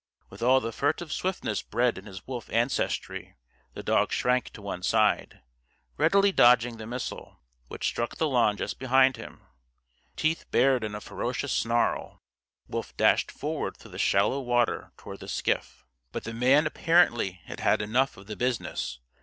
With all the furtive swiftness bred in his wolf ancestry, the dog shrank to one side, readily dodging the missile, which struck the lawn just behind him. Teeth bared in a ferocious snarl, Wolf dashed forward through the shallow water toward the skiff. But the man apparently had had enough of the business.